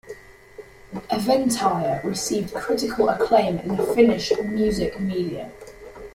"Eventyr" received critical acclaim in the Finnish music media.